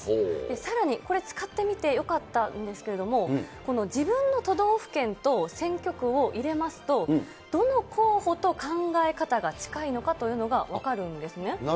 さらにこれ、使ってみてよかったんですけれども、この自分の都道府県と選挙区を入れますと、どの候補と考え方が近いのかというのが分かるんですね。